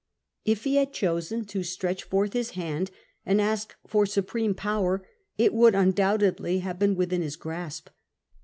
If he had chosen to stretch forth his hand and ask fox supreme power, it would undoubtedly have been within his grasp.